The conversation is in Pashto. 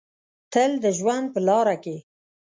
تل د ژوند په لاره کې